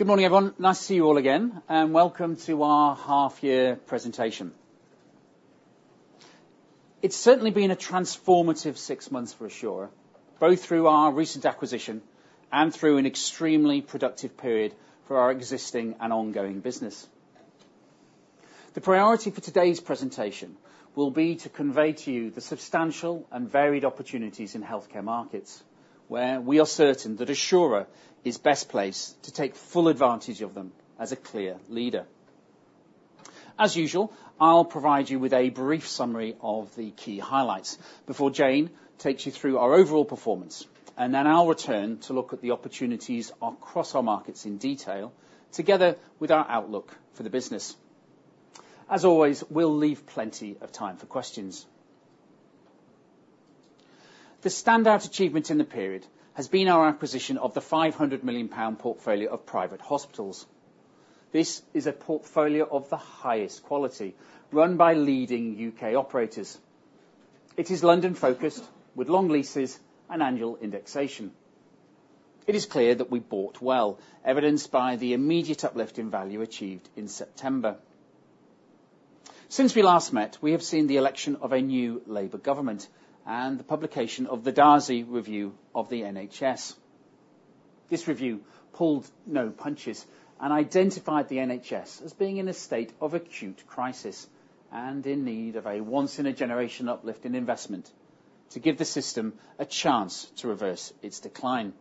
Good morning, everyone. Nice to see you all again, and welcome to our half-year presentation. It's certainly been a transformative six months for Assura, both through our recent acquisition and through an extremely productive period for our existing and ongoing business. The priority for today's presentation will be to convey to you the substantial and varied opportunities in healthcare markets, where we are certain that Assura is best placed to take full advantage of them as a clear leader. As usual, I'll provide you with a brief summary of the key highlights before Jayne takes you through our overall performance, and then I'll return to look at the opportunities across our markets in detail, together with our outlook for the business. As always, we'll leave plenty of time for questions. The standout achievement in the period has been our acquisition of the 500 million pound portfolio of private hospitals. This is a portfolio of the highest quality, run by leading U.K. operators. It is London-focused, with long leases and annual indexation. It is clear that we bought well, evidenced by the immediate uplift in value achieved in September. Since we last met, we have seen the election of a new Labour government and the publication of the Darzi Review of the NHS. This review pulled no punches and identified the NHS as being in a state of acute crisis and in need of a once-in-a-generation uplift in investment to give the system a chance to reverse its decline.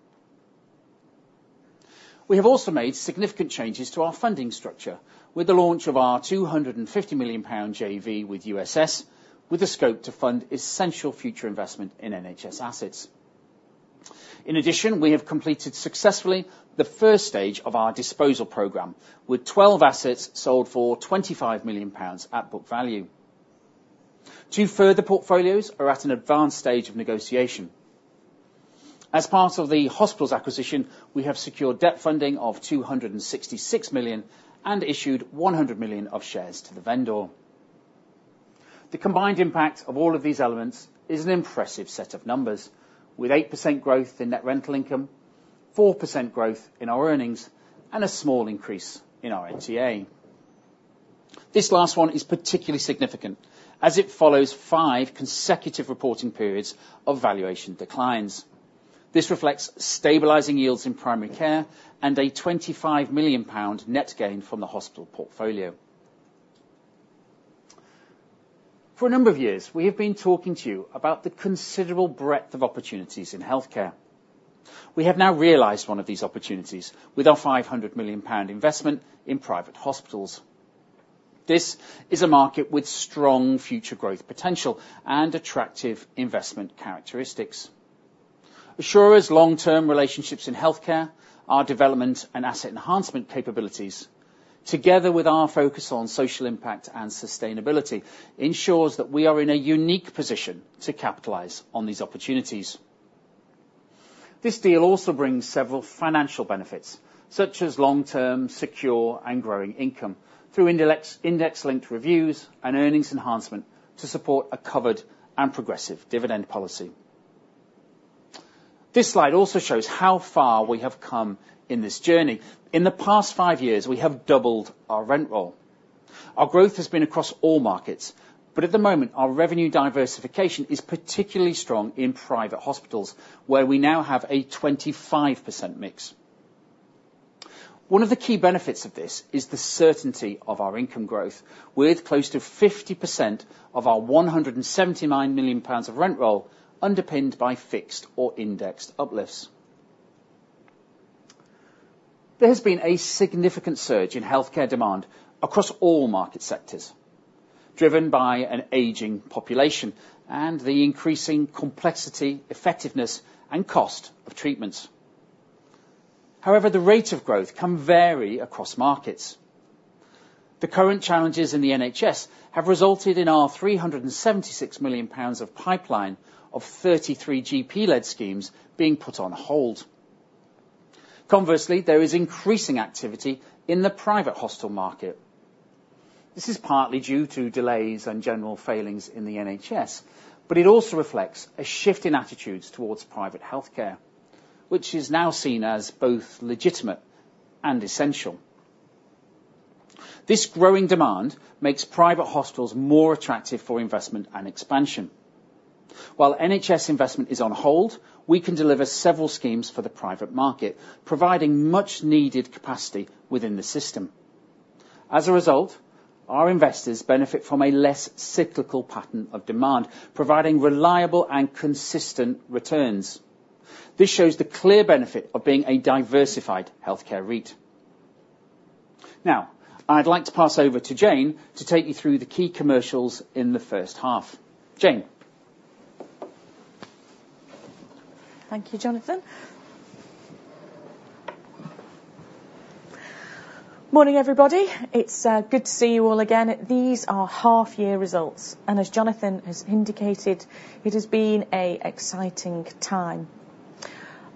We have also made significant changes to our funding structure with the launch of our 250 million pound JV with USS, with the scope to fund essential future investment in NHS assets. In addition, we have completed successfully the 1st stage of our disposal program, with 12 assets sold for 25 million pounds at book value. Two further portfolios are at an advanced stage of negotiation. As part of the hospitals acquisition, we have secured debt funding of 266 million and issued 100 million of shares to the vendor. The combined impact of all of these elements is an impressive set of numbers, with 8% growth in net rental income, 4% growth in our earnings, and a small increase in our NTA. This last one is particularly significant as it follows five consecutive reporting periods of valuation declines. This reflects stabilizing yields in primary care and a 25 million pound net gain from the hospital portfolio. For a number of years, we have been talking to you about the considerable breadth of opportunities in healthcare. We have now realized one of these opportunities with our 500 million pound investment in private hospitals. This is a market with strong future growth potential and attractive investment characteristics. Assura's long-term relationships in healthcare, our development and asset enhancement capabilities, together with our focus on social impact and sustainability, ensures that we are in a unique position to capitalize on these opportunities. This deal also brings several financial benefits, such as long-term, secure, and growing income through index-linked reviews and earnings enhancement to support a covered and progressive dividend policy. This slide also shows how far we have come in this journey. In the past five years, we have doubled our rent roll. Our growth has been across all markets, but at the moment, our revenue diversification is particularly strong in private hospitals, where we now have a 25% mix. One of the key benefits of this is the certainty of our income growth, with close to 50% of our 179 million pounds of rent roll underpinned by fixed or indexed uplifts. There has been a significant surge in healthcare demand across all market sectors, driven by an aging population and the increasing complexity, effectiveness, and cost of treatments. However, the rate of growth can vary across markets. The current challenges in the NHS have resulted in our 376 million pounds of pipeline of 33 GP-led schemes being put on hold. Conversely, there is increasing activity in the private hospital market. This is partly due to delays and general failings in the NHS, but it also reflects a shift in attitudes towards private healthcare, which is now seen as both legitimate and essential. This growing demand makes private hospitals more attractive for investment and expansion. While NHS investment is on hold, we can deliver several schemes for the private market, providing much-needed capacity within the system. As a result, our investors benefit from a less cyclical pattern of demand, providing reliable and consistent returns. This shows the clear benefit of being a diversified healthcare REIT. Now, I'd like to pass over to Jayne to take you through the key commercials in the 1st half. Jayne. Thank you, Jonathan. Morning, everybody. It's good to see you all again. These are half-year results, and as Jonathan has indicated, it has been an exciting time.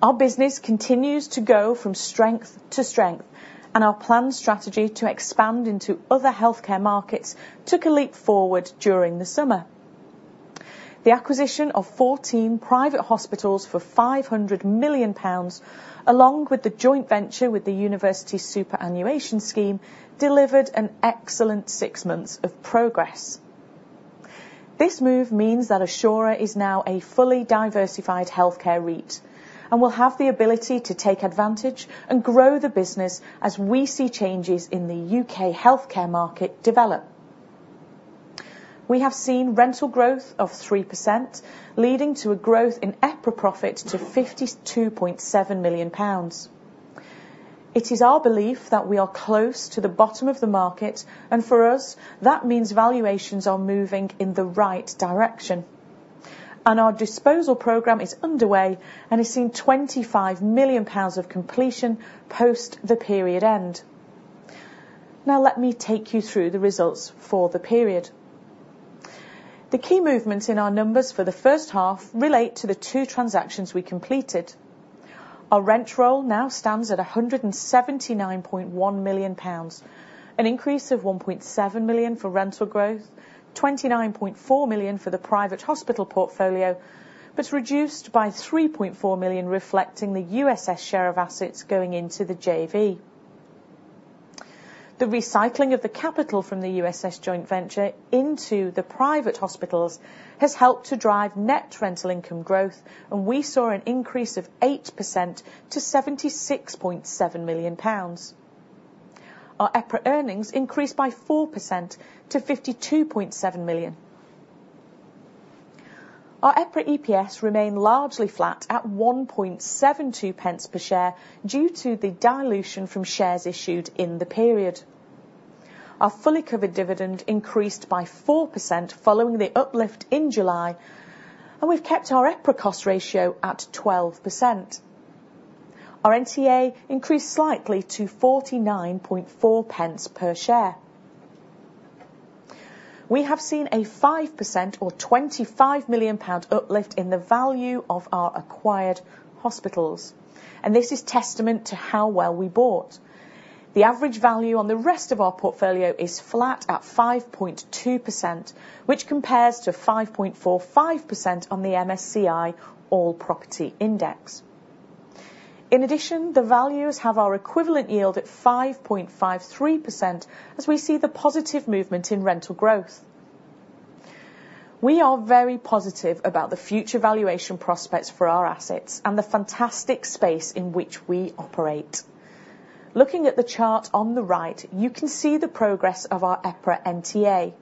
Our business continues to go from strength to strength, and our planned strategy to expand into other healthcare markets took a leap forward during the summer. The acquisition of 14 private hospitals for 500 million pounds, along with the joint venture with the Universities Superannuation Scheme, delivered an excellent six months of progress. This move means that Assura is now a fully diversified healthcare REIT and will have the ability to take advantage and grow the business as we see changes in the UK healthcare market develop. We have seen rental growth of 3%, leading to a growth in EPRA profit to 52.7 million pounds. It is our belief that we are close to the bottom of the market, and for us, that means valuations are moving in the right direction. Our disposal program is underway and has seen 25 million pounds of completion post the period end. Now, let me take you through the results for the period. The key movements in our numbers for the 1st half relate to the two transactions we completed. Our rent roll now stands at 179.1 million pounds, an increase of 1.7 million for rental growth, 29.4 million for the private hospital portfolio, but reduced by 3.4 million, reflecting the USS share of assets going into the JV. The recycling of the capital from the USS joint venture into the private hospitals has helped to drive net rental income growth, and we saw an increase of 8% to 76.7 million pounds. Our EPRA earnings increased by 4% to 52.7 million. Our EPRA EPS remained largely flat at 1.72 pence per share due to the dilution from shares issued in the period. Our fully covered dividend increased by 4% following the uplift in July, and we've kept our EPRA cost ratio at 12%. Our NTA increased slightly to 49.4 pence per share. We have seen a 5% or 25 million pound uplift in the value of our acquired hospitals, and this is testament to how well we bought. The average value on the rest of our portfolio is flat at 5.2%, which compares to 5.45% on the MSCI All Property Index. In addition, the values have our equivalent yield at 5.53%, as we see the positive movement in rental growth. We are very positive about the future valuation prospects for our assets and the fantastic space in which we operate. Looking at the chart on the right, you can see the progress of our EPRA NTA.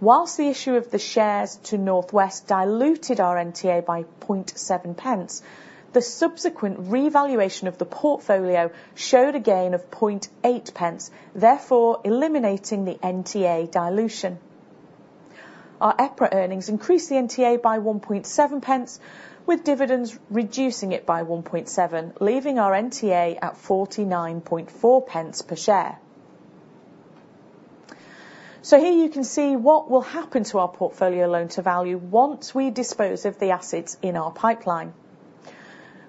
Whilst the issue of the shares to Northwest diluted our NTA by 0.007, the subsequent revaluation of the portfolio showed a gain of 0.008, therefore eliminating the NTA dilution. Our EPRA earnings increased the NTA by 0.017, with dividends reducing it by 1.7, leaving our NTA at 0.494 per share. So here you can see what will happen to our portfolio loan to value once we dispose of the assets in our pipeline.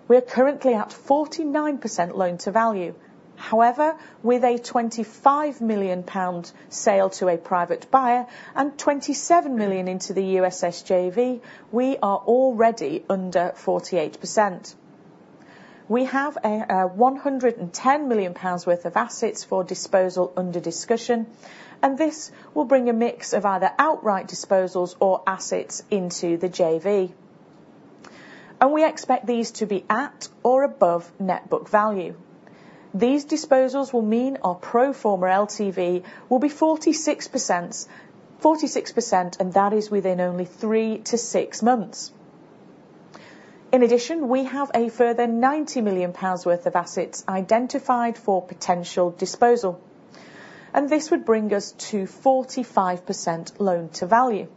We are currently at 49% loan to value. However, with a 25 million pound sale to a private buyer and 27 million into the USS JV, we are already under 48%. We have 110 million pounds worth of assets for disposal under discussion, and this will bring a mix of either outright disposals or assets into the JV. We expect these to be at or above net book value. These disposals will mean our pro forma LTV will be 46%, and that is within only three to six months. In addition, we have a further 90 million pounds worth of assets identified for potential disposal, and this would bring us to 45% loan to value.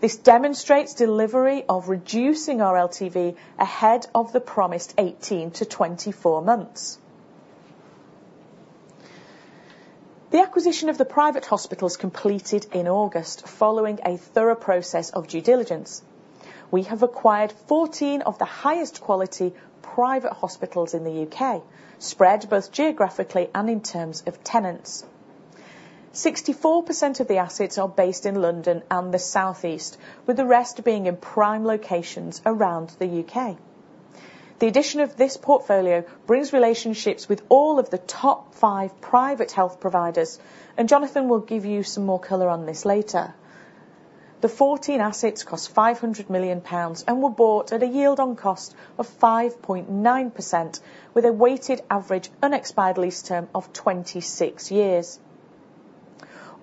This demonstrates delivery of reducing our LTV ahead of the promised 18-24 months. The acquisition of the private hospitals completed in August, following a thorough process of due diligence. We have acquired 14 of the highest quality private hospitals in the U.K., spread both geographically and in terms of tenants. 64% of the assets are based in London and the Southeast, with the rest being in prime locations around the U.K. The addition of this portfolio brings relationships with all of the top five private health providers, and Jonathan will give you some more color on this later. The 14 assets cost 500 million pounds and were bought at a yield on cost of 5.9%, with a weighted average unexpired lease term of 26 years.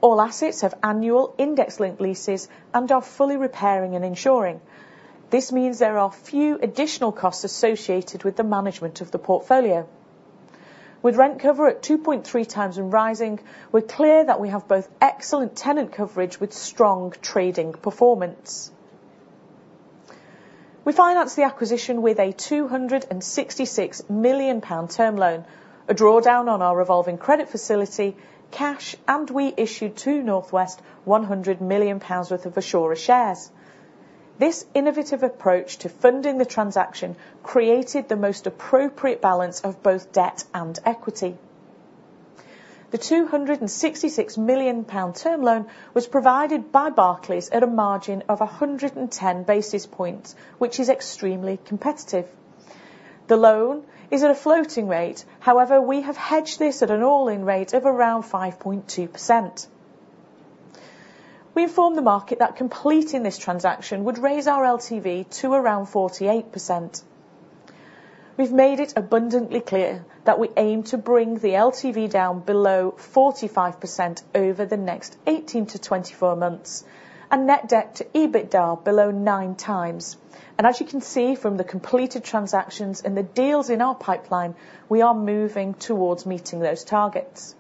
All assets have annual index-linked leases and are fully repairing and insuring. This means there are few additional costs associated with the management of the portfolio. With rent cover at 2.3 times and rising, we're clear that we have both excellent tenant coverage with strong trading performance. We financed the acquisition with a 266 million pound term loan, a drawdown on our revolving credit facility, cash, and we issued to Northwest 100 million pounds worth of Assura shares. This innovative approach to funding the transaction created the most appropriate balance of both debt and equity. The 266 million pound term loan was provided by Barclays at a margin of 110 basis points, which is extremely competitive. The loan is at a floating rate, however, we have hedged this at an all-in rate of around 5.2%. We informed the market that completing this transaction would raise our LTV to around 48%. We've made it abundantly clear that we aim to bring the LTV down below 45% over the next 18 to 24 months and net debt to EBITDA below nine times, and as you can see from the completed transactions and the deals in our pipeline, we are moving towards meeting those targets.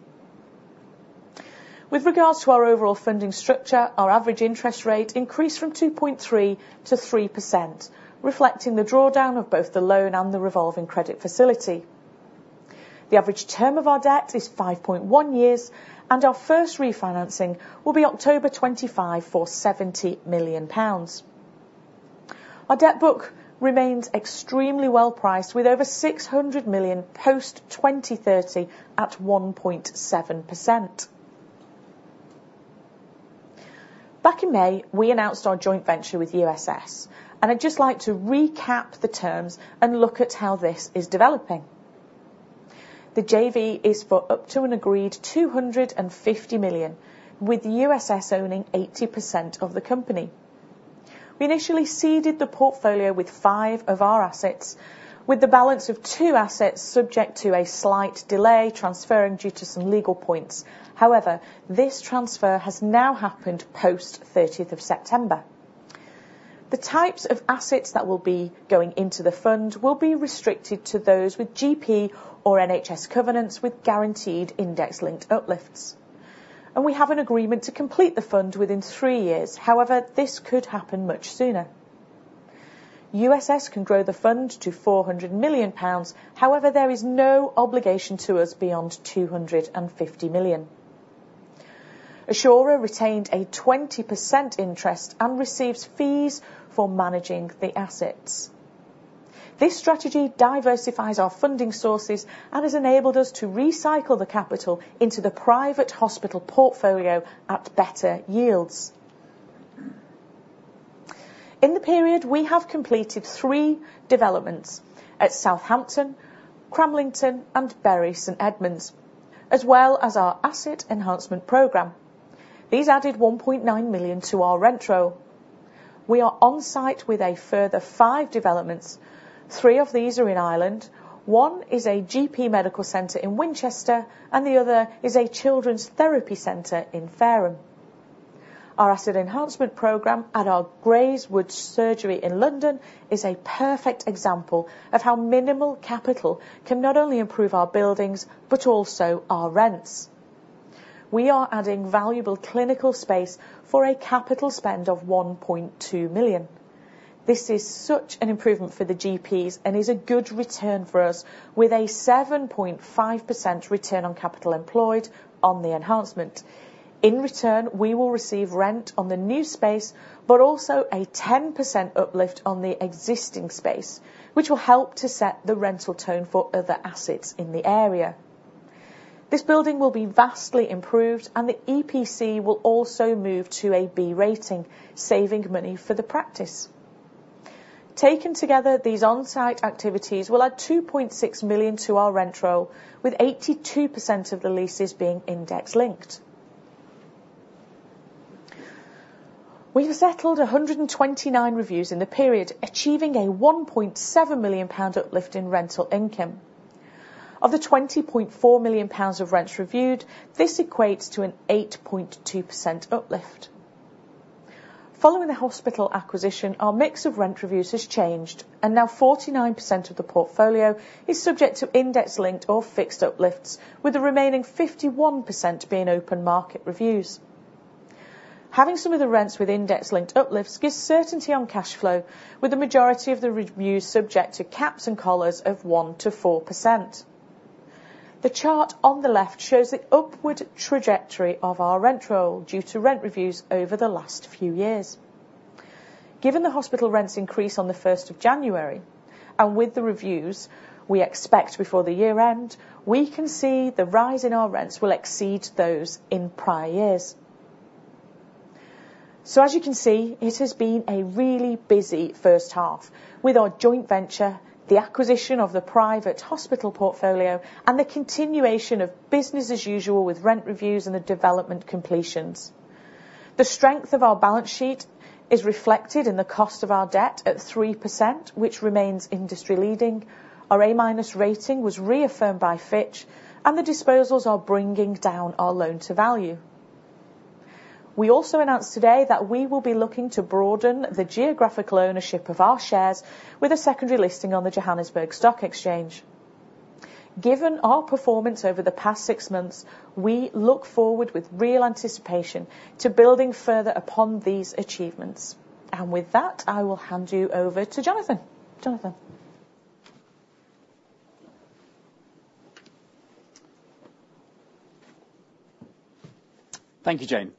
With regards to our overall funding structure, our average interest rate increased from 2.3% to 3%, reflecting the drawdown of both the loan and the revolving credit facility. The average term of our debt is 5.1 years, and our 1st refinancing will be October 25 for 70 million pounds. Our debt book remains extremely well priced, with over 600 million post 2030 at 1.7%. Back in May, we announced our joint venture with USS, and I'd just like to recap the terms and look at how this is developing. The JV is for up to an agreed 250 million, with USS owning 80% of the company. We initially seeded the portfolio with five of our assets, with the balance of two assets subject to a slight delay transferring due to some legal points. However, this transfer has now happened post 30th of September. The types of assets that will be going into the fund will be restricted to those with GP or NHS covenants with guaranteed index-linked uplifts. And we have an agreement to complete the fund within three years. However, this could happen much sooner. USS can grow the fund to 400 million pounds. However, there is no obligation to us beyond 250 million. Assura retained a 20% interest and receives fees for managing the assets. This strategy diversifies our funding sources and has enabled us to recycle the capital into the private hospital portfolio at better yields. In the period, we have completed three developments at Southampton, Cramlington, and Bury St Edmunds, as well as our asset enhancement program. These added 1.9 million to our rent roll. We are on site with a further five developments. Three of these are in Ireland. One is a GP medical center in Winchester, and the other is a children's therapy center in Fareham. Our asset enhancement program at our Grayswood Surgery in London is a perfect example of how minimal capital can not only improve our buildings but also our rents. We are adding valuable clinical space for a capital spend of 1.2 million. This is such an improvement for the GPs and is a good return for us, with a 7.5% return on capital employed on the enhancement. In return, we will receive rent on the new space, but also a 10% uplift on the existing space, which will help to set the rental tone for other assets in the area. This building will be vastly improved, and the EPC will also move to a B rating, saving money for the practice. Taken together, these on-site activities will add 2.6 million to our rent roll, with 82% of the leases being index-linked. We've settled 129 reviews in the period, achieving a 1.7 million pound uplift in rental income. Of the 20.4 million pounds of rents reviewed, this equates to an 8.2% uplift. Following the hospital acquisition, our mix of rent reviews has changed, and now 49% of the portfolio is subject to index-linked or fixed uplifts, with the remaining 51% being open market reviews. Having some of the rents with index-linked uplifts gives certainty on cash flow, with the majority of the reviews subject to caps and collars of 1%-4%. The chart on the left shows the upward trajectory of our rent roll due to rent reviews over the last few years. Given the hospital rents increase on the 1st of January, and with the reviews we expect before the year end, we can see the rise in our rents will exceed those in prior years. As you can see, it has been a really busy 1st half, with our joint venture, the acquisition of the private hospital portfolio, and the continuation of business as usual with rent reviews and the development completions. The strength of our balance sheet is reflected in the cost of our debt at 3%, which remains industry leading. Our A- rating was reaffirmed by Fitch, and the disposals are bringing down our loan to value. We also announced today that we will be looking to broaden the geographical ownership of our shares with a secondary listing on the Johannesburg Stock Exchange. Given our performance over the past six months, we look forward with real anticipation to building further upon these achievements. And with that, I will hand you over to Jonathan. Jonathan. Thank you, Jayne.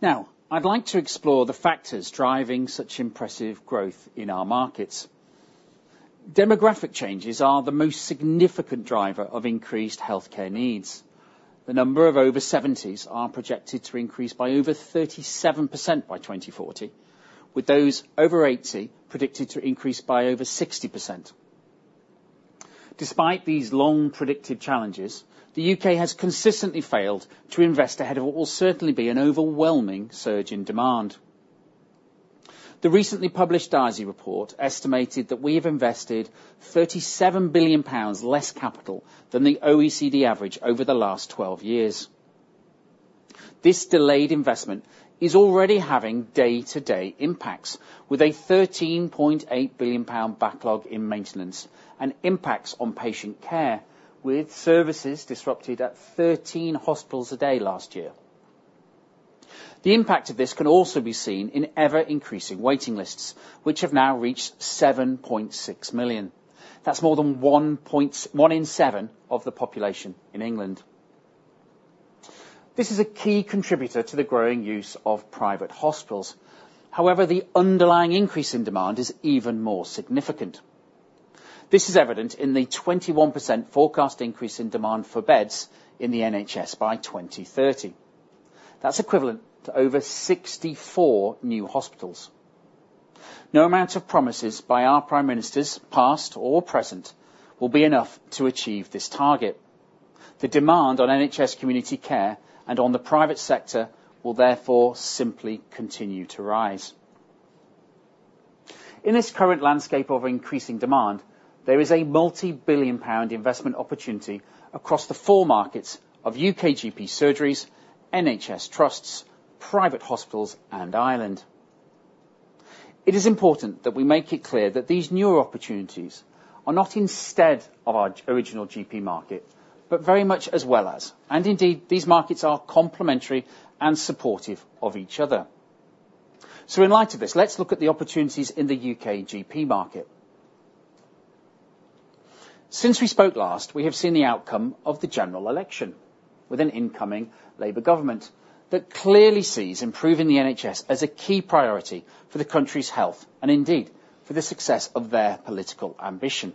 Now, I'd like to explore the factors driving such impressive growth in our markets. Demographic changes are the most significant driver of increased healthcare needs. The number of over 70s are projected to increase by over 37% by 2040, with those over 80 predicted to increase by over 60%. Despite these long predicted challenges, the U.K. has consistently failed to invest ahead of what will certainly be an overwhelming surge in demand. The recently published Darzi report estimated that we have invested 37 billion pounds less capital than the OECD average over the last 12 years. This delayed investment is already having day-to-day impacts, with a 13.8 billion pound backlog in maintenance and impacts on patient care, with services disrupted at 13 hospitals a day last year. The impact of this can also be seen in ever-increasing waiting lists, which have now reached 7.6 million. That's more than one in seven of the population in England. This is a key contributor to the growing use of private hospitals. However, the underlying increase in demand is even more significant. This is evident in the 21% forecast increase in demand for beds in the NHS by 2030. That's equivalent to over 64 new hospitals. No amount of promises by our prime ministers, past or present, will be enough to achieve this target. The demand on NHS community care and on the private sector will therefore simply continue to rise. In this current landscape of increasing demand, there is a multi-billion pound investment opportunity across the four markets of UK GP surgeries, NHS trusts, private hospitals, and Ireland. It is important that we make it clear that these newer opportunities are not instead of our original GP market, but very much as well as, and indeed, these markets are complementary and supportive of each other. So, in light of this, let's look at the opportunities in the UK GP market. Since we spoke last, we have seen the outcome of the general election with an incoming Labour government that clearly sees improving the NHS as a key priority for the country's health and indeed for the success of their political ambition.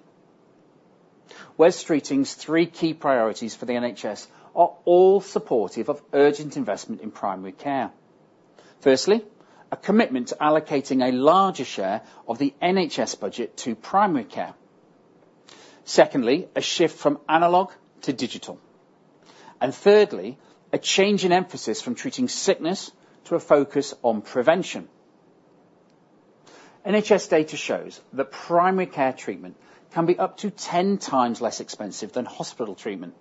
Wes Streeting's three key priorities for the NHS are all supportive of urgent investment in primary care. firstly, a commitment to allocating a larger share of the NHS budget to primary care. Secondly, a shift from analogue to digital. And thirdly, a change in emphasis from treating sickness to a focus on prevention. NHS data shows that primary care treatment can be up to 10 times less expensive than hospital treatment.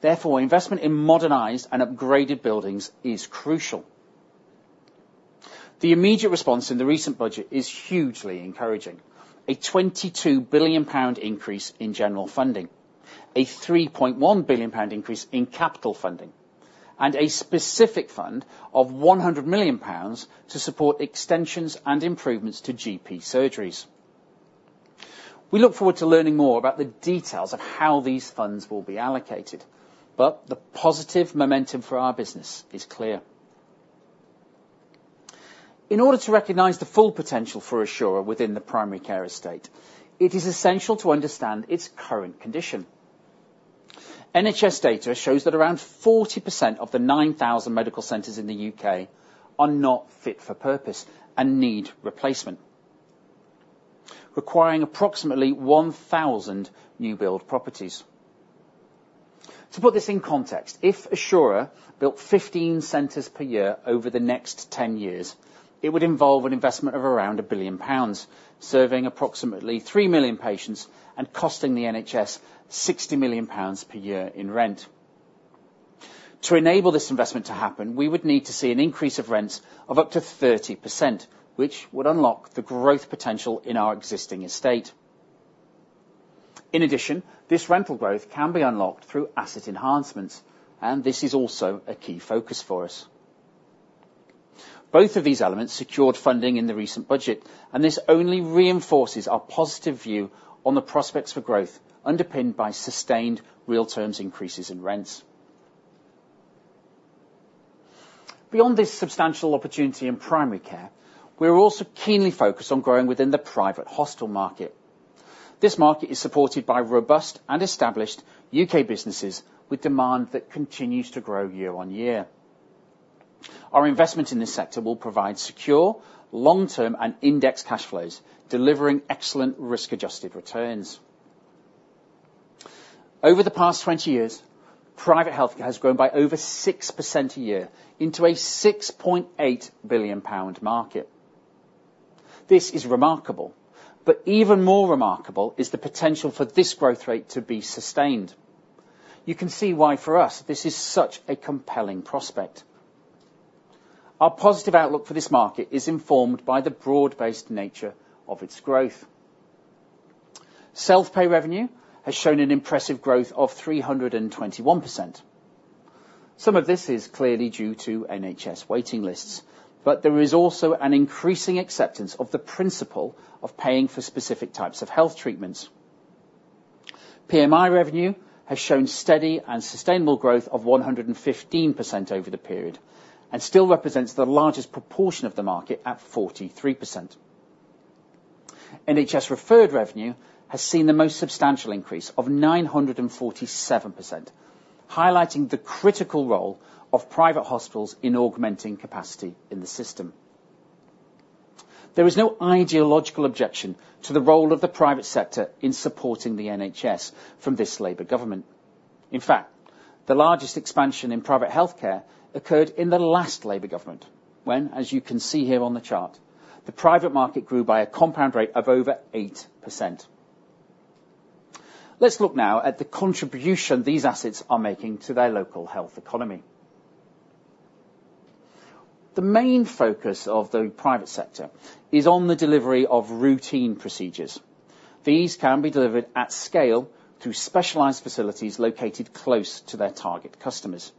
Therefore, investment in modernized and upgraded buildings is crucial. The immediate response in the recent budget is hugely encouraging: a GBP 22 billion increase in general funding, a GBP 3.1 billion increase in capital funding, and a specific fund of GBP 100 million to support extensions and improvements to GP surgeries. We look forward to learning more about the details of how these funds will be allocated, but the positive momentum for our business is clear. In order to recognize the full potential for Assura within the primary care estate, it is essential to understand its current condition. NHS data shows that around 40% of the 9,000 medical centers in the U.K. are not fit for purpose and need replacement, requiring approximately 1,000 new-build properties. To put this in context, if Assura built 15 centers per year over the next 10 years, it would involve an investment of around 1 billion pounds, serving approximately 3 million patients and costing the NHS 60 million pounds per year in rent. To enable this investment to happen, we would need to see an increase of rents of up to 30%, which would unlock the growth potential in our existing estate. In addition, this rental growth can be unlocked through asset enhancements, and this is also a key focus for us. Both of these elements secured funding in the recent budget, and this only reinforces our positive view on the prospects for growth underpinned by sustained real terms increases in rents. Beyond this substantial opportunity in primary care, we are also keenly focused on growing within the private hospital market. This market is supported by robust and established U.K. businesses with demand that continues to grow year on year. Our investment in this sector will provide secure, long-term, and index cash flows, delivering excellent risk-adjusted returns. Over the past 20 years, private healthcare has grown by over 6% a year into a GBP 6.8 billion market. This is remarkable, but even more remarkable is the potential for this growth rate to be sustained. You can see why for us this is such a compelling prospect. Our positive outlook for this market is informed by the broad-based nature of its growth. Self-pay revenue has shown an impressive growth of 321%. Some of this is clearly due to NHS waiting lists, but there is also an increasing acceptance of the principle of paying for specific types of health treatments. PMI revenue has shown steady and sustainable growth of 115% over the period and still represents the largest proportion of the market at 43%. NHS referred revenue has seen the most substantial increase of 947%, highlighting the critical role of private hospitals in augmenting capacity in the system. There is no ideological objection to the role of the private sector in supporting the NHS from this Labour government. In fact, the largest expansion in private healthcare occurred in the last Labour government when, as you can see here on the chart, the private market grew by a compound rate of over 8%. Let's look now at the contribution these assets are making to their local health economy. The main focus of the private sector is on the delivery of routine procedures. These can be delivered at scale through specialized facilities located close to their target customers.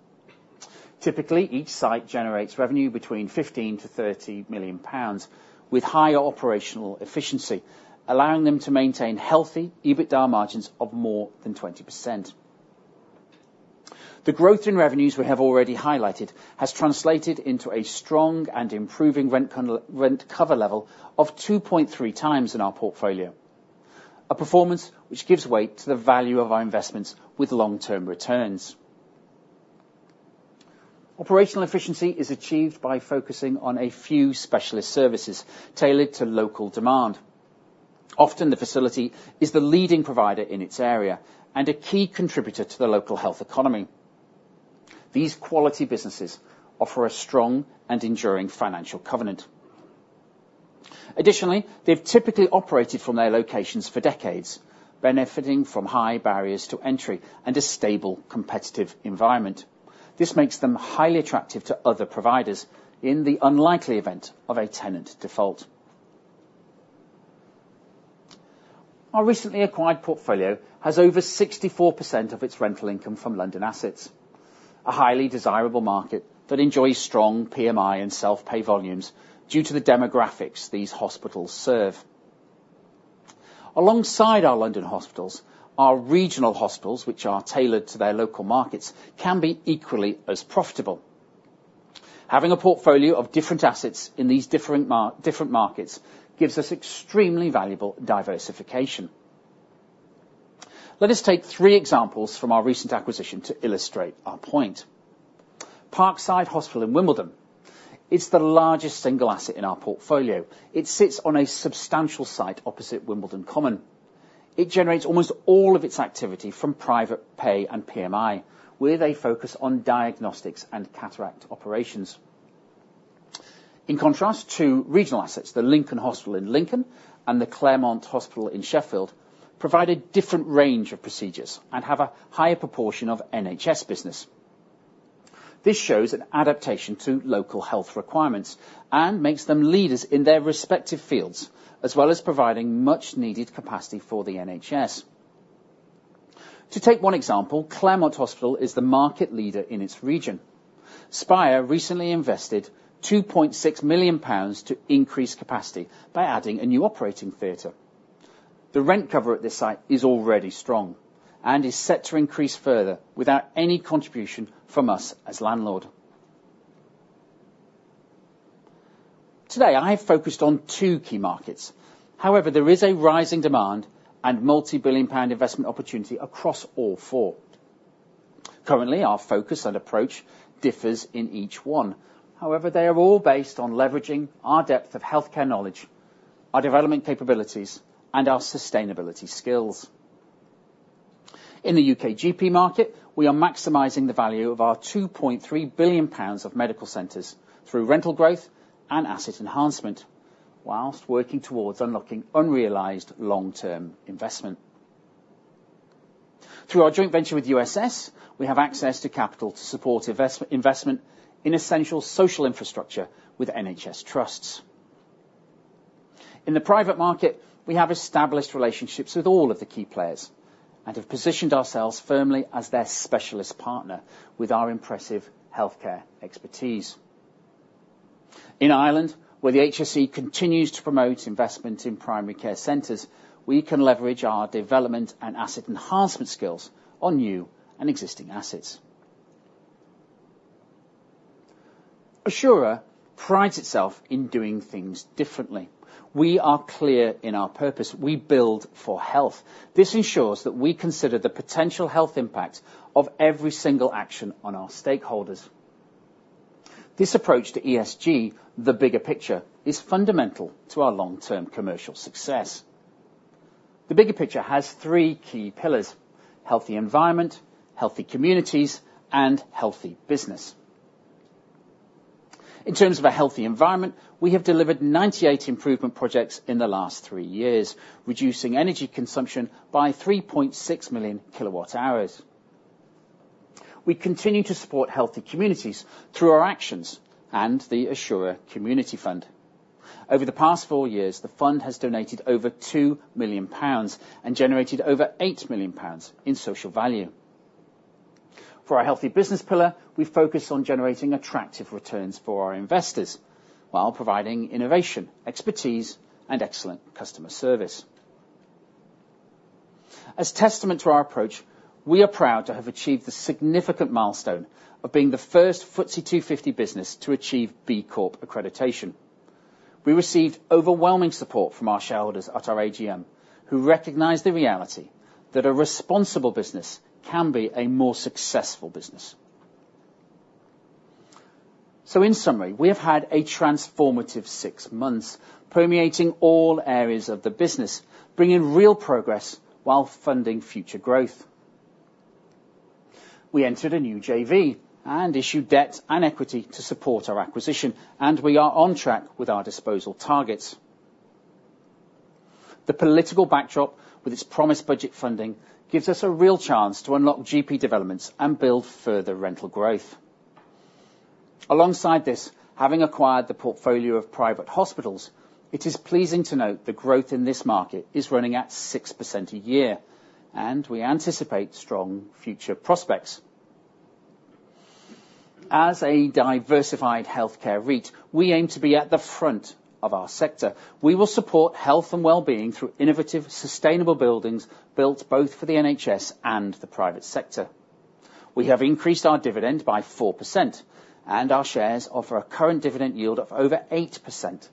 Typically, each site generates revenue between 15 to 30 million pounds, with higher operational efficiency allowing them to maintain healthy EBITDA margins of more than 20%. The growth in revenues we have already highlighted has translated into a strong and improving rent cover level of 2.3 times in our portfolio, a performance which gives weight to the value of our investments with long-term returns. Operational efficiency is achieved by focusing on a few specialist services tailored to local demand. Often, the facility is the leading provider in its area and a key contributor to the local health economy. These quality businesses offer a strong and enduring financial covenant. Additionally, they've typically operated from their locations for decades, benefiting from high barriers to entry and a stable competitive environment. This makes them highly attractive to other providers in the unlikely event of a tenant default. Our recently acquired portfolio has over 64% of its rental income from London assets, a highly desirable market that enjoys strong PMI and self-pay volumes due to the demographics these hospitals serve. Alongside our London hospitals, our regional hospitals, which are tailored to their local markets, can be equally as profitable. Having a portfolio of different assets in these different markets gives us extremely valuable diversification. Let us take three examples from our recent acquisition to illustrate our point. Parkside Hospital in Wimbledon is the largest single asset in our portfolio. It sits on a substantial site opposite Wimbledon Common. It generates almost all of its activity from private pay and PMI, with a focus on diagnostics and cataract operations. In contrast to regional assets, the Lincoln Hospital in Lincoln and the Claremont Hospital in Sheffield provide a different range of procedures and have a higher proportion of NHS business. This shows an adaptation to local health requirements and makes them leaders in their respective fields, as well as providing much-needed capacity for the NHS. To take one example, Claremont Hospital is the market leader in its region. Spire recently invested 2.6 million pounds to increase capacity by adding a new operating theatre. The rent cover at this site is already strong and is set to increase further without any contribution from us as landlord. Today, I have focused on two key markets. However, there is a rising demand and multi-billion pound investment opportunity across all four. Currently, our focus and approach differs in each one. However, they are all based on leveraging our depth of healthcare knowledge, our development capabilities, and our sustainability skills. In the U.K. GP market, we are maximizing the value of our 2.3 billion pounds of medical centers through rental growth and asset enhancement, while working towards unlocking unrealized long-term investment. Through our joint venture with USS, we have access to capital to support investment in essential social infrastructure with NHS trusts. In the private market, we have established relationships with all of the key players and have positioned ourselves firmly as their specialist partner with our impressive healthcare expertise. In Ireland, where the HSE continues to promote investment in primary care centers, we can leverage our development and asset enhancement skills on new and existing assets. Assura prides itself in doing things differently. We are clear in our purpose. We build for health. This ensures that we consider the potential health impact of every single action on our stakeholders. This approach to ESG, the bigger picture, is fundamental to our long-term commercial success. The bigger picture has three key pillars: healthy environment, healthy communities, and healthy business. In terms of a healthy environment, we have delivered 98 improvement projects in the last three years, reducing energy consumption by 3.6 million kilowatt hours. We continue to support healthy communities through our actions and the Assura Community Fund. Over the past four years, the fund has donated over 2 million pounds and generated over 8 million pounds in social value. For our healthy business pillar, we focus on generating attractive returns for our investors while providing innovation, expertise, and excellent customer service. As testament to our approach, we are proud to have achieved the significant milestone of being the 1st FTSE 250 business to achieve B Corp accreditation. We received overwhelming support from our shareholders at our AGM, who recognized the reality that a responsible business can be a more successful business. So, in summary, we have had a transformative six months, permeating all areas of the business, bringing real progress while funding future growth. We entered a new JV and issued debt and equity to support our acquisition, and we are on track with our disposal targets. The political backdrop, with its promised budget funding, gives us a real chance to unlock GP developments and build further rental growth. Alongside this, having acquired the portfolio of private hospitals, it is pleasing to note the growth in this market is running at 6% a year, and we anticipate strong future prospects. As a diversified healthcare REIT, we aim to be at the front of our sector. We will support health and well-being through innovative, sustainable buildings built both for the NHS and the private sector. We have increased our dividend by 4%, and our shares offer a current dividend yield of over 8%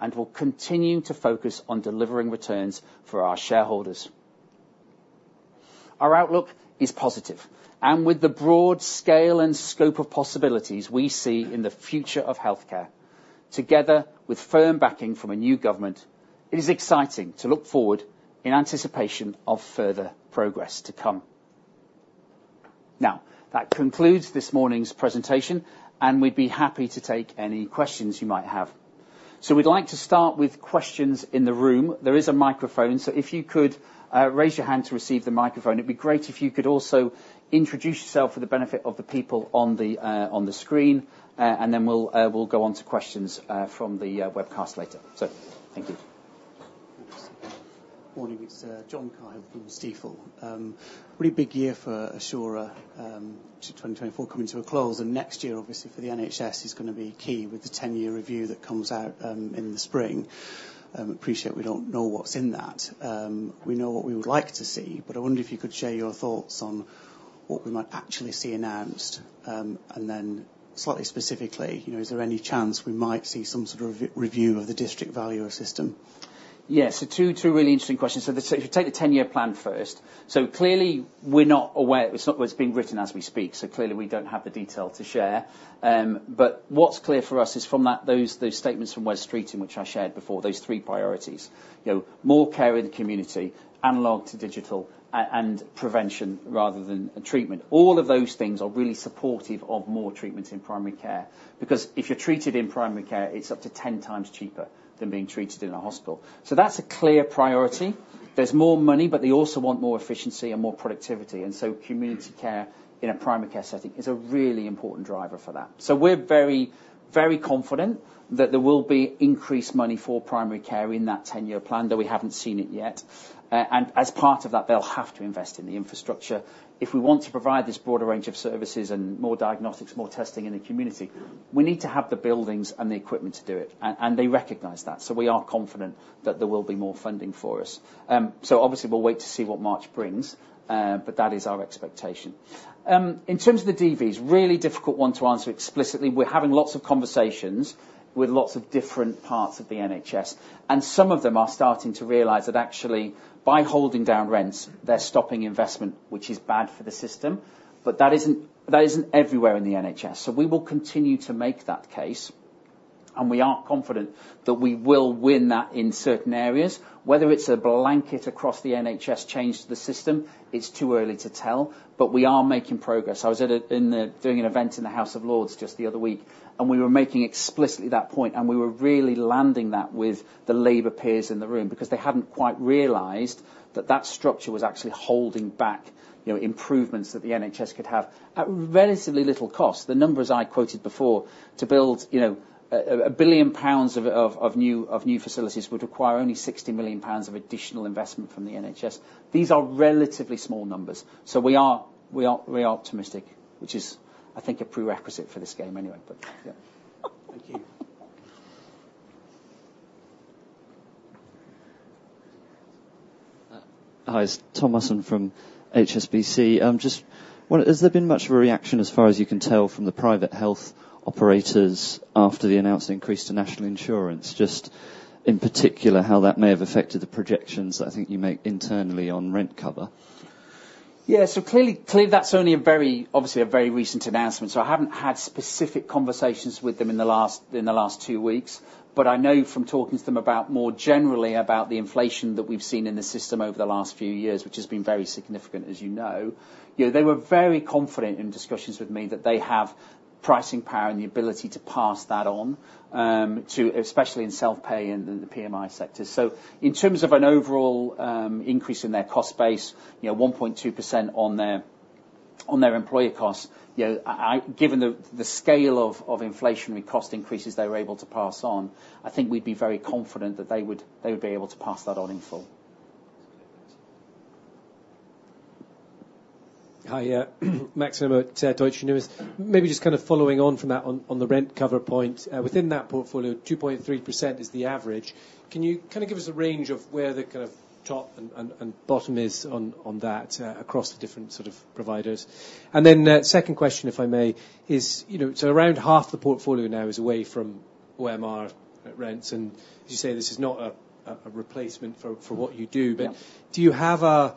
and will continue to focus on delivering returns for our shareholders. Our outlook is positive, and with the broad scale and scope of possibilities we see in the future of healthcare, together with firm backing from a new government, it is exciting to look forward in anticipation of further progress to come. Now, that concludes this morning's presentation, and we'd be happy to take any questions you might have. So, we'd like to start with questions in the room. There is a microphone, so if you could raise your hand to receive the microphone, it'd be great if you could also introduce yourself for the benefit of the people on the screen, and then we'll go on to questions from the webcast later. So, thank you. Morning. It's John Cahill from Stifel. Really big year for Assura 2024 coming to a close, and next year, obviously, for the NHS, is going to be key with the 10-year review that comes out in the spring. Appreciate we don't know what's in that. We know what we would like to see, but I wonder if you could share your thoughts on what we might actually see announced, and then slightly specifically, is there any chance we might see some sort of review of the District Valuer system? Yes. So, two really interesting questions. So, if you take the 10-year plan 1st, so clearly, we're not aware it's not what's being written as we speak, so clearly, we don't have the detail to share. But what's clear for us is from those statements from Wes Streeting, in which I shared before, those three priorities: more care in the community, analog to digital, and prevention rather than treatment. All of those things are really supportive of more treatment in primary care because if you're treated in primary care, it's up to 10 times cheaper than being treated in a hospital. So, that's a clear priority. There's more money, but they also want more efficiency and more productivity. And so, community care in a primary care setting is a really important driver for that. We're very confident that there will be increased money for primary care in that 10-Year Plan, though we haven't seen it yet. As part of that, they'll have to invest in the infrastructure. If we want to provide this broader range of services and more diagnostics, more testing in the community, we need to have the buildings and the equipment to do it, and they recognize that. We are confident that there will be more funding for us. Obviously, we'll wait to see what March brings, but that is our expectation. In terms of the DVs, really difficult one to answer explicitly. We're having lots of conversations with lots of different parts of the NHS, and some of them are starting to realize that actually, by holding down rents, they're stopping investment, which is bad for the system, but that isn't everywhere in the NHS. We will continue to make that case, and we are confident that we will win that in certain areas. Whether it's a blanket across the NHS change to the system, it's too early to tell, but we are making progress. I was doing an event in the House of Lords just the other week, and we were making explicitly that point, and we were really landing that with the Labour peers in the room because they hadn't quite realized that that structure was actually holding back improvements that the NHS could have at relatively little cost. The numbers I quoted before, to build 1 billion pounds of new facilities, would require only 60 million pounds of additional investment from the NHS. These are relatively small numbers. We are optimistic, which is, I think, a prerequisite for this game anyway. Thank you. Hi, it's Tom Musson from HSBC. Just wondered, has there been much of a reaction, as far as you can tell, from the private health operators after the announced increase to National Insurance, just in particular how that may have affected the projections that I think you make internally on rent cover? Yeah. So, clearly, that's only obviously a very recent announcement. So, I haven't had specific conversations with them in the last two weeks, but I know from talking to them more generally about the inflation that we've seen in the system over the last few years, which has been very significant, as you know. They were very confident in discussions with me that they have pricing power and the ability to pass that on, especially in self-pay and the PMI sector. So, in terms of an overall increase in their cost base, 1.2% on their employee costs, given the scale of inflationary cost increases they were able to pass on, I think we'd be very confident that they would be able to pass that on in full. Hi, yeah, Max Nimmo at Deutsche Numis. Maybe just kind of following on from that on the rent cover point. Within that portfolio, 2.3% is the average. Can you kind of give us a range of where the kind of top and bottom is on that across the different sort of providers? And then 2nd question, if I may, is around half the portfolio now is away from OMR rents. As you say, this is not a replacement for what you do, but do you have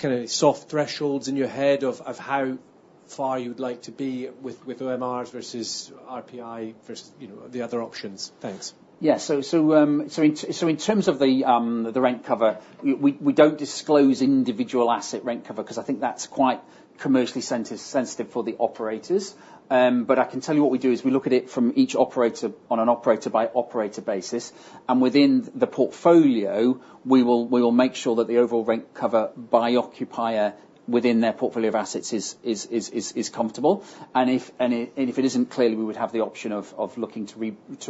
kind of soft thresholds in your head of how far you would like to be with OMRs versus RPI versus the other options. Thanks. Yeah. So, in terms of the rent cover, we don't disclose individual asset rent cover because I think that's quite commercially sensitive for the operators. But I can tell you what we do is we look at it from each operator on an operator-by-operator basis. And within the portfolio, we will make sure that the overall rent cover by occupier within their portfolio of assets is comfortable. And if it isn't clearly, we would have the option of looking to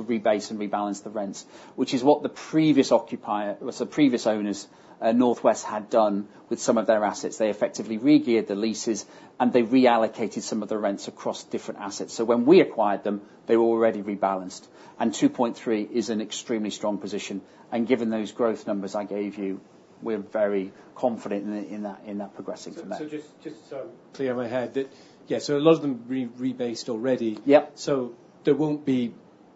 rebase and rebalance the rents, which is what the previous owners, Northwest, had done with some of their assets. They effectively regeared the leases, and they reallocated some of the rents across different assets, so when we acquired them, they were already rebalanced, and 2.3 is an extremely strong position. Given those growth numbers I gave you, we're very confident in that progressing from there. So just so... It's clear in my head that, yeah, a lot of them rebased already. There won't be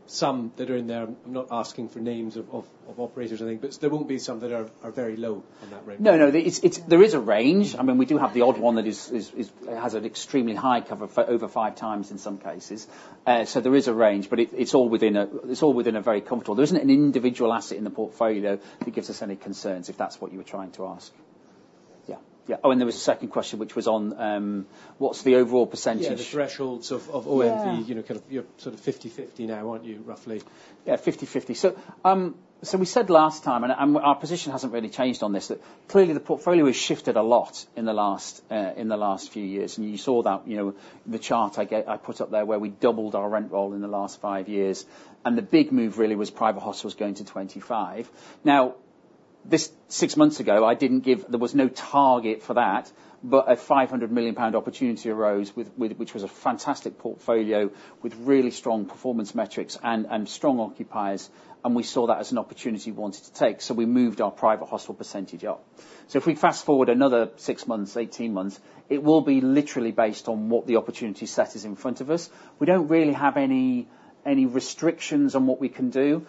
some that are in there. I'm not asking for names of operators, I think, but there won't be some that are very low. On that range? No, no. There is a range. I mean, we do have the odd one that has an extremely high cover for over five times in some cases. There is a range, but it's all within a very comfortable. There isn't an individual asset in the portfolio that gives us any concerns, if that's what you were trying to ask. Yeah. Oh, and there was a 2nd question, which was on what's the overall percentage? Yeah, the thresholds of OMV, kind of you're sort of 50/50 now, aren't you, roughly? Yeah, 50/50, so we said last time, and our position hasn't really changed on this, that clearly the portfolio has shifted a lot in the last few years, and you saw that in the chart I put up there where we doubled our rent roll in the last five years, and the big move really was private hospitals going to 25. Now, six months ago, I didn't give there was no target for that, but a 500 million pound opportunity arose, which was a fantastic portfolio with really strong performance metrics and strong occupiers. And we saw that as an opportunity we wanted to take, so we moved our private hospital percentage up. So, if we fast forward another six months, 18 months, it will be literally based on what the opportunity set is in front of us. We don't really have any restrictions on what we can do.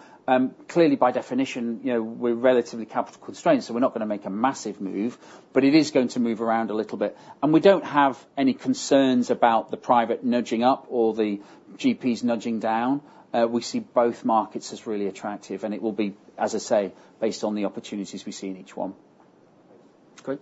Clearly, by definition, we're relatively capital constrained, so we're not going to make a massive move, but it is going to move around a little bit. And we don't have any concerns about the private nudging up or the GPs nudging down. We see both markets as really attractive, and it will be, as I say, based on the opportunities we see in each one. Great.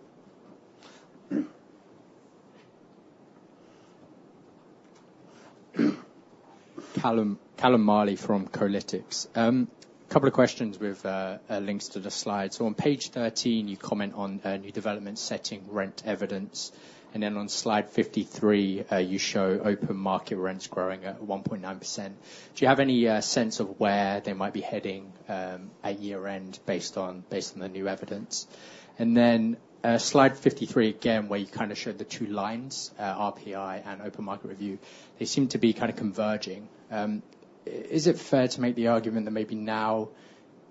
Callum Marley from Kolytics. A couple of questions with links to the slides. So, on page 13, you comment on new development setting rent evidence. And then on slide 53, you show open market rents growing at 1.9%. Do you have any sense of where they might be heading at year-end based on the new evidence? And then slide 53, again, where you kind of showed the two lines, RPI and open market review, they seem to be kind of converging. Is it fair to make the argument that maybe now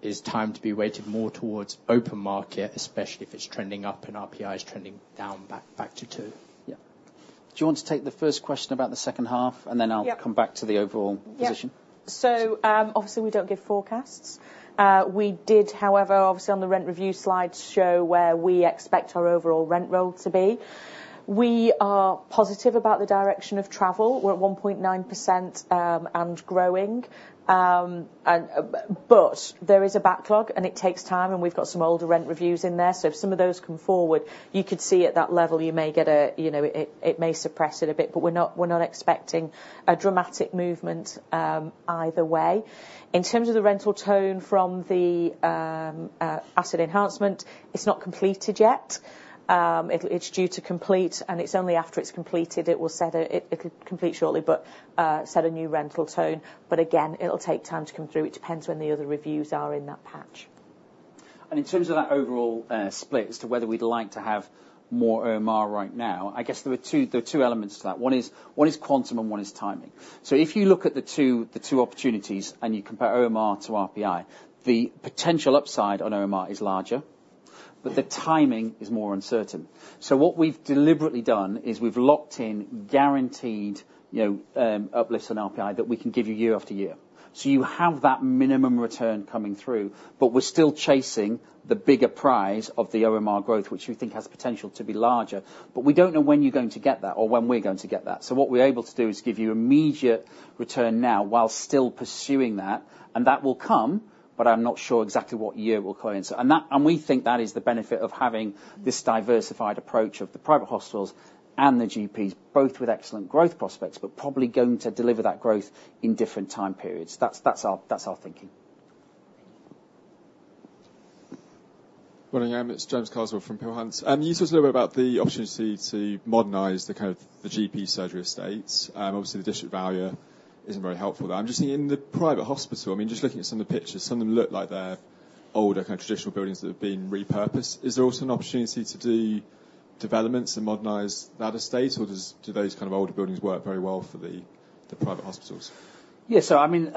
is time to be weighted more towards open market, especially if it's trending up and RPI is trending down back to 2%? Yeah. Do you want to take the 1st question about the 2nd half, and then I'll come back to the overall position? Yeah. So, obviously, we don't give forecasts. We did, however, obviously, on the rent review slides, show where we expect our overall rent roll to be. We are positive about the direction of travel. We're at 1.9% and growing. But there is a backlog, and it takes time, and we've got some older rent reviews in there. So, if some of those come forward, you could see at that level. It may suppress it a bit, but we're not expecting a dramatic movement either way. In terms of the rental tone from the asset enhancement, it's not completed yet. It's due to complete, and it's only after it's completed it will set a new rental tone. It'll complete shortly. But again, it'll take time to come through. It depends when the other reviews are in that patch. And in terms of that overall split as to whether we'd like to have more OMR right now, I guess there are two elements to that. One is quantum and one is timing. So, if you look at the two opportunities and you compare OMR to RPI, the potential upside on OMR is larger, but the timing is more uncertain. So, what we've deliberately done is we've locked in guaranteed uplifts on RPI that we can give you year after year. So, you have that minimum return coming through, but we're still chasing the bigger prize of the OMR growth, which we think has potential to be larger. But we don't know when you're going to get that or when we're going to get that. So, what we're able to do is give you immediate return now while still pursuing that, and that will come, but I'm not sure exactly what year we'll coincide. We think that is the benefit of having this diversified approach of the private hospitals and the GPs, both with excellent growth prospects, but probably going to deliver that growth in different time periods. That's our thinking. Morning, Amit. It's James Carswell from Peel Hunt. You talked a little bit about the opportunity to modernize the GP surgery estates. Obviously, the District Valuer isn't very helpful there. I'm just thinking in the private hospital, I mean, just looking at some of the pictures, some of them look like they're older kind of traditional buildings that have been repurposed. Is there also an opportunity to do developments and modernize that estate, or do those kind of older buildings work very well for the private hospitals? Yeah. I mean,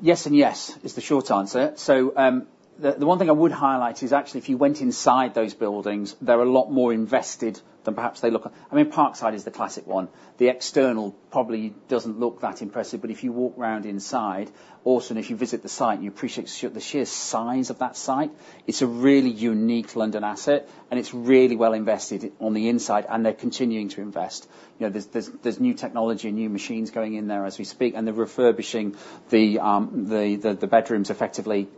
yes and yes is the short answer. So, the one thing I would highlight is actually if you went inside those buildings, they're a lot more invested than perhaps they look. I mean, Parkside is the classic one. The external probably doesn't look that impressive, but if you walk around inside, also, and if you visit the site, and you appreciate the sheer size of that site, it's a really unique London asset, and it's really well invested on the inside, and they're continuing to invest. There's new technology and new machines going in there as we speak, and they're refurbishing the bedrooms effectively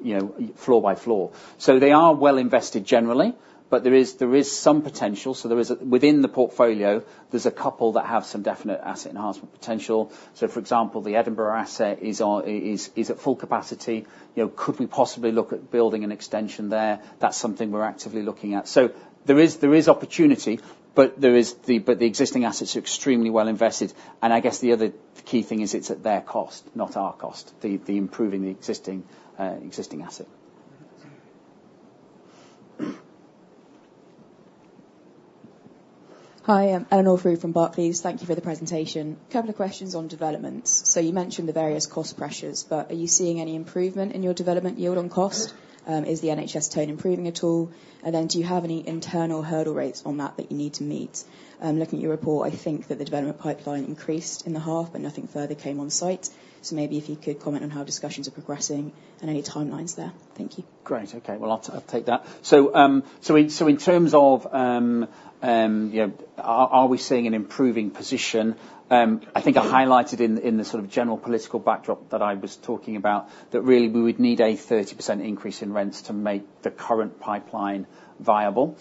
floor by floor. So, they are well invested generally, but there is some potential. So, within the portfolio, there's a couple that have some definite asset enhancement potential. So, for example, the Edinburgh asset is at full capacity. Could we possibly look at building an extension there? That's something we're actively looking at. So, there is opportunity, but the existing assets are extremely well invested. And I guess the other key thing is it's at their cost, not our cost, improving the existing asset. Hi, I'm Emily Field from Barclays. Thank you for the presentation. A couple of questions on developments. So, you mentioned the various cost pressures, but are you seeing any improvement in your development yield on cost? Is the NHS tone improving at all? And then do you have any internal hurdle rates on that that you need to meet? Looking at your report, I think that the development pipeline increased in the half, but nothing further came on site. So, maybe if you could comment on how discussions are progressing and any timelines there. Thank you. Great. Okay. Well, I'll take that. So, in terms of, are we seeing an improving position? I think I highlighted in the sort of general political backdrop that I was talking about that really we would need a 30% increase in rents to make the current pipeline viable.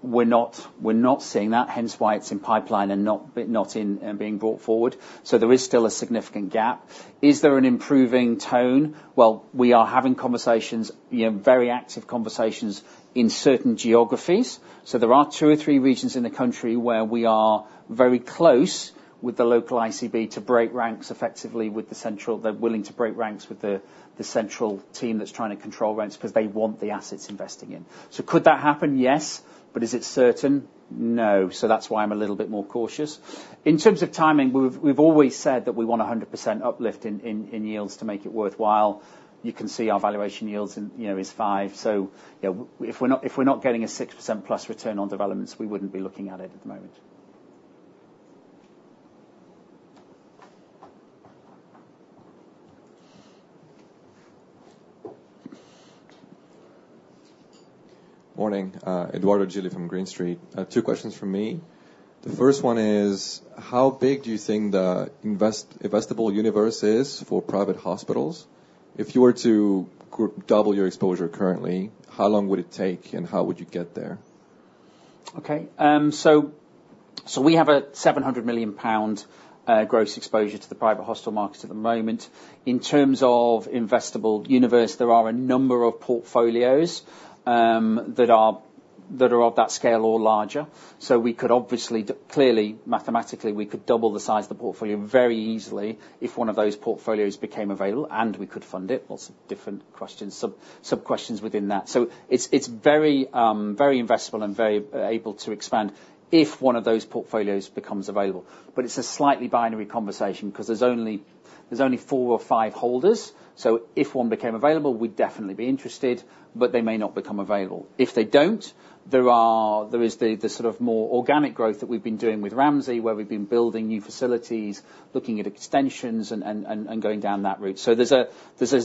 We're not seeing that, hence why it's in pipeline and not being brought forward. So, there is still a significant gap. Is there an improving tone? Well, we are having conversations, very active conversations in certain geographies. So, there are two or three regions in the country where we are very close with the local ICB to break ranks effectively with the central. They're willing to break ranks with the central team that's trying to control rents because they want the assets investing in. So, could that happen? Yes. But is it certain? No. So, that's why I'm a little bit more cautious. In terms of timing, we've always said that we want a 100% uplift in yields to make it worthwhile. You can see our valuation yield is five. So, if we're not getting a 6% plus return on developments, we wouldn't be looking at it at the moment. Morning, Edoardo Gilli from Green Street. Two questions from me. The 1st one is, how big do you think the investable universe is for private hospitals? If you were to double your exposure currently, how long would it take, and how would you get there? Okay. So, we have a 700 million pound gross exposure to the private hospital market at the moment. In terms of investable universe, there are a number of portfolios that are of that scale or larger. So, we could obviously, clearly, mathematically, we could double the size of the portfolio very easily if one of those portfolios became available, and we could fund it. Lots of different questions, sub-questions within that. It's very investable and very able to expand if one of those portfolios becomes available. But it's a slightly binary conversation because there's only four or five holders. If one became available, we'd definitely be interested, but they may not become available. If they don't, there is the sort of more organic growth that we've been doing with Ramsay, where we've been building new facilities, looking at extensions, and going down that route. There's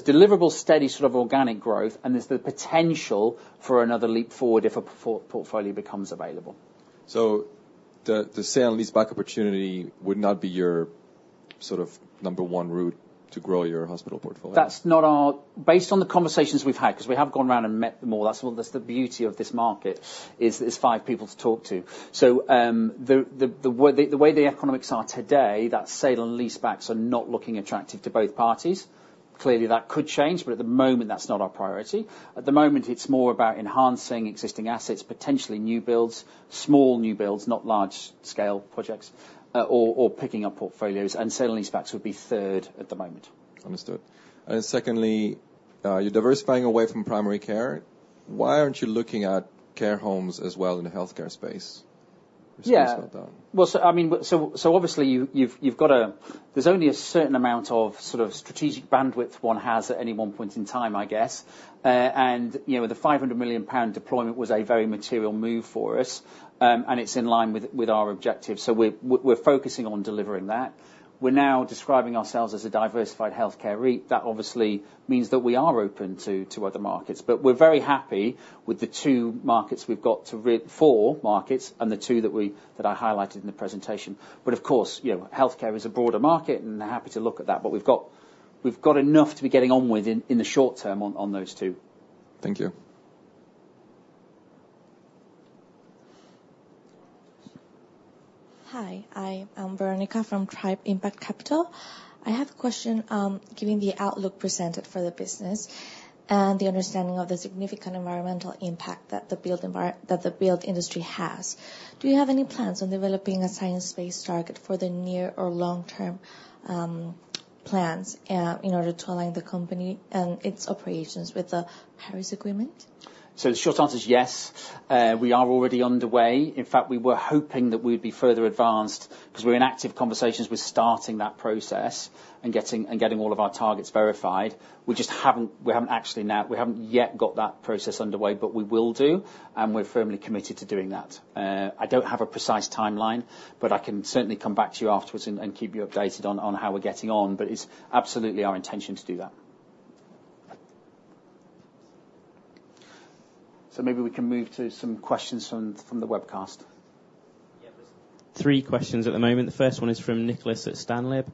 deliverable, steady sort of organic growth, and there's the potential for another leap forward if a portfolio becomes available. So, the sale and lease-back opportunity would not be your sort of number one route to grow your hospital portfolio? That's not ours based on the conversations we've had, because we have gone around and met them all. That's the beauty of this market, is there's five people to talk to. So, the way the economics are today, that sale and lease-backs are not looking attractive to both parties. Clearly, that could change, but at the moment, that's not our priority. At the moment, it's more about enhancing existing assets, potentially new builds, small new builds, not large-scale projects, or picking up portfolios. And sale and lease-backs would be 3rd at the moment. Understood. And 2ndly, you're diversifying away from primary care. Why aren't you looking at care homes as well in the healthcare space? Response to that. Yeah. I mean, so obviously, you've got, there's only a certain amount of sort of strategic bandwidth one has at any one point in time, I guess. And the 500 million pound deployment was a very material move for us, and it's in line with our objective. So, we're focusing on delivering that. We're now describing ourselves as a diversified healthcare REIT. That obviously means that we are open to other markets. But we're very happy with the two markets we've got, two to four markets and the two that I highlighted in the presentation. But of course, healthcare is a broader market, and we're happy to look at that. But we've got enough to be getting on with in the short term on those two. Thank you. Hi, I am Veronica from Tribe Impact Capital. I have a question given the outlook presented for the business and the understanding of the significant environmental impact that the building industry has. Do you have any plans on developing a science-based target for the near or long-term plans in order to align the company and its operations with the Paris Agreement? So, the short answer is yes. We are already underway. In fact, we were hoping that we'd be further advanced because we're in active conversations with starting that process and getting all of our targets verified. We just haven't actually yet got that process underway, but we will do, and we're firmly committed to doing that. I don't have a precise timeline, but I can certainly come back to you afterwards and keep you updated on how we're getting on. But it's absolutely our intention to do that. So, maybe we can move to some questions from the webcast. Yeah. Three questions at the moment. The 1st one is from Nicolas at STANLIB.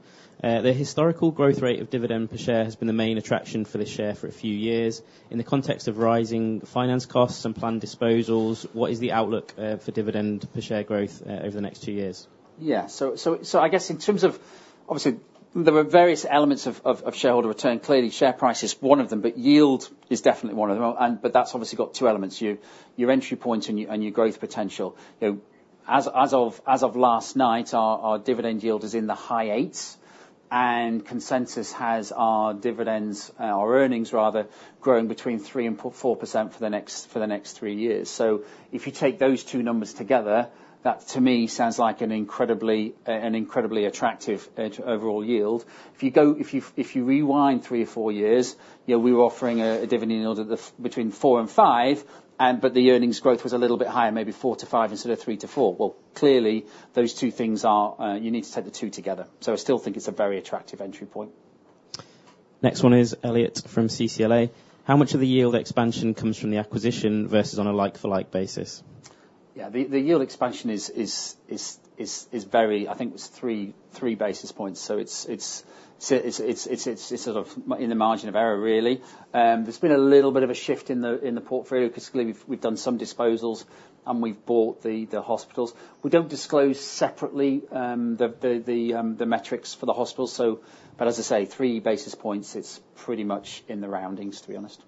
The historical growth rate of dividend per share has been the main attraction for this share for a few years. In the context of rising finance costs and planned disposals, what is the outlook for dividend per share growth over the next two years? Yeah. So, I guess in terms of obviously, there are various elements of shareholder return. Clearly, share price is one of them, but yield is definitely one of them. But that's obviously got two elements, your entry point and your growth potential. As of last night, our dividend yield is in the high eights, and consensus has our dividends, our earnings rather, growing between 3% and 4% for the next three years. If you take those two numbers together, that to me sounds like an incredibly attractive overall yield. If you rewind three or four years, we were offering a dividend yield between four and five, but the earnings growth was a little bit higher, maybe four to five instead of three to four. Well, clearly, those two things are you need to take the two together. So, I still think it's a very attractive entry point. Next one is Elliot from CCLA. How much of the yield expansion comes from the acquisition versus on a like-for-like basis? Yeah. The yield expansion is very I think it was three basis points. So, it's sort of in the margin of error, really. There's been a little bit of a shift in the portfolio because clearly we've done some disposals, and we've bought the hospitals. We don't disclose separately the metrics for the hospitals. So, but as I say, three basis points, it's pretty much in the roundings, to be honest.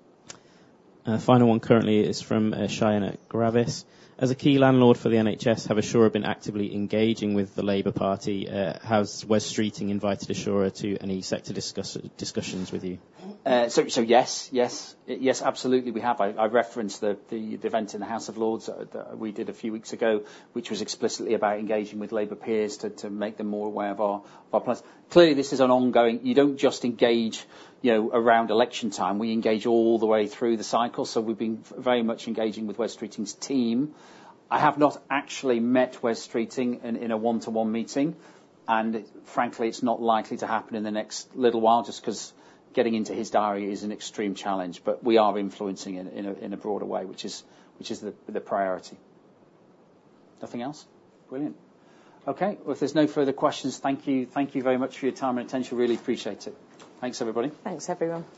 Final one currently is from Shayan at Gravis. As a key landlord for the NHS, have Assura been actively engaging with the Labour Party? Has Wes Streeting invited Assura to any sector discussions with you? So, yes. Yes. Yes, absolutely, we have. I referenced the event in the House of Lords that we did a few weeks ago, which was explicitly about engaging with Labour peers to make them more aware of our plans. Clearly, this is an ongoing you don't just engage around election time. We engage all the way through the cycle, so we've been very much engaging with Wes Streeting's team. I have not actually met Wes Streeting in a one-to-one meeting, and frankly, it's not likely to happen in the next little while just because getting into his diary is an extreme challenge. But we are influencing it in a broader way, which is the priority. Nothing else? Brilliant. Okay. Well, if there's no further questions, thank you. Thank you very much for your time and attention. Really appreciate it. Thanks, everybody. Thanks, everyone.